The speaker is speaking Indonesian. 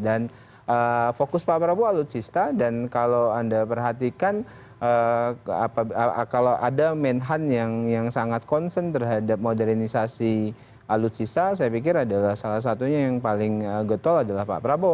dan fokus pak prabowo alutsista dan kalau anda perhatikan kalau ada menhan yang sangat konsen terhadap modernisasi alutsista saya pikir adalah salah satunya yang paling getol adalah pak prabowo